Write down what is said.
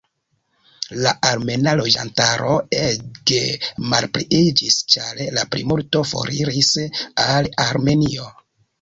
La armena loĝantaro ege malpliiĝis ĉar la plimulto foriris al Armenio.